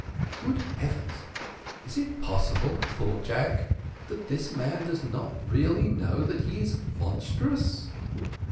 "Good heavens! is it possible," thought Jack, "that this man does not really know that he is monstrous?"